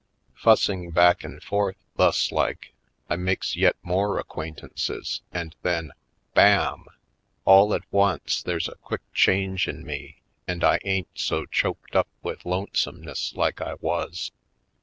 Fussing back and forth, thuslike, I makes yet more acquaintances and then — bam! — all at once there's a quick change in me and I ain't so choked up with lonesomeness like I was.